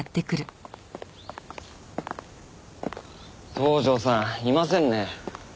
道上さんいませんね。